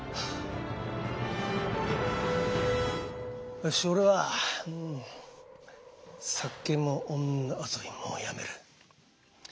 よし俺は酒も女遊びもやめる。